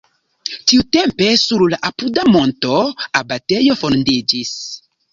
Tiutempe sur la apuda monto abatejo fondiĝis.